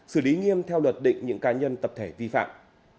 xử lý nghiêm theo luật định những cá nhân tập thể vi phạm